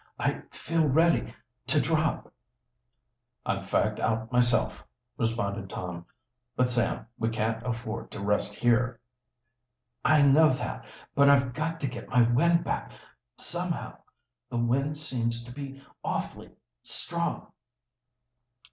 "I feel ready to drop!" "I'm fagged out myself," responded Tom. "But, Sam, we can't afford to rest here." "I know that, but I've got to get my wind back somehow. The wind seems to be awfully strong."